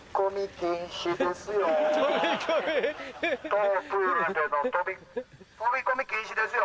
当プールでの飛び飛び込み禁止ですよ。